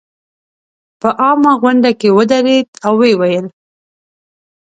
په عامه غونډه کې ودرېد او ویې ویل.